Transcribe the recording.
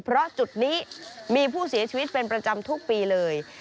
เพราะจุดนี้มีผู้เสียชีวิตเป็นประจำทุกปีเลย